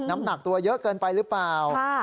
น้ำหนักตัวเยอะเกินไปหรือเปล่า